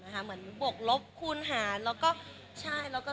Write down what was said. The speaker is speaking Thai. เหมือนบกลบคุณสังหารแล้วก็